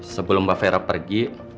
sebelum mbak fera pergi